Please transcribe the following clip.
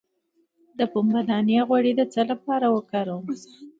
د پنبې دانه غوړي د څه لپاره وکاروم؟